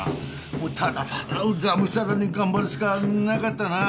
もうただただがむしゃらに頑張るしかなかったなぁ。